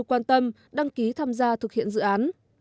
quan tâm đăng ký tham gia thực hiện dự án